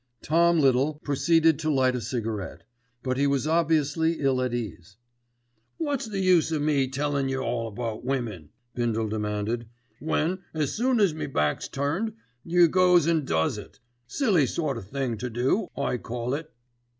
Tom Little proceeded to light a cigarette; but he was obviously ill at ease. "Wot's the use o' me tellin' yer all about women," Bindle demanded, "when, as soon as my back's turned yer goes an' does it. Silly sort of thing to do, I call it."